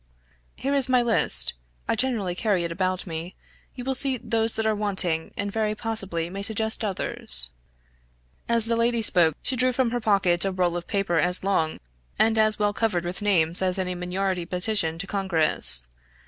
"Here is my list; I generally carry it about me. You will see those that are wanting, and very possibly may suggest others." And as the lady spoke she drew from her pocket a roll of paper as long, and as well covered with names as any minority petition to Congress.